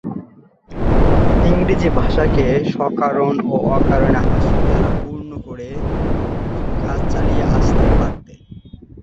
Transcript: ইংরেজি ভাষাকে সকারণ ও অকারণ হাসির দ্বারা পূরণ করে কাজ চালিয়ে আসতে পারতেন।